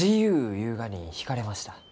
ゆうがに引かれました。